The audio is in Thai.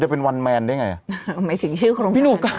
เป็นวันแมนได้ไง